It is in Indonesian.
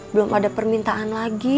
belum ada permintaan lagi